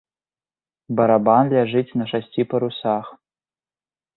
Барабан ляжыць на шасці парусах.